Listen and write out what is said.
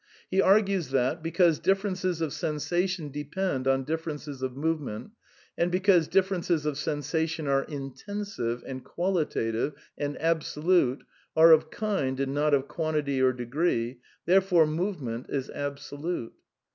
He argues that, because differences of sensation de pend on differences of movement, and because differences of sensation are intensive, and qualitative, and absolute, are of kind and not of quantity or degree, therefore move ment is absolute.